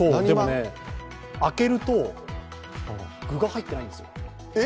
でもね、開けると具が入ってないんですよ。